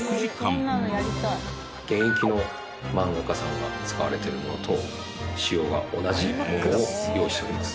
現役の漫画家さんが使われているものと仕様が同じものを用意しております。